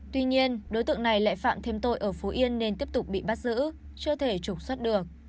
tuy nhiên đối tượng này lại phạm thêm tội ở phú yên nên tiếp tục bị bắt giữ chưa thể trục xuất được